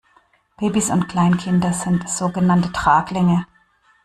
Babys und Kleinkinder sind sogenannte Traglinge.